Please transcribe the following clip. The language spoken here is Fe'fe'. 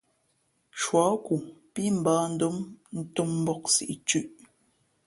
Shuάku pí mbᾱαndom ntōm mbōk siꞌ thʉ̄ꞌ.